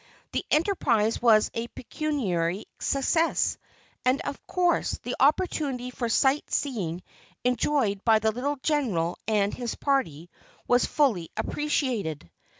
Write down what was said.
The enterprise was a pecuniary success, and, of course, the opportunity for sight seeing enjoyed by the little General and his party was fully appreciated.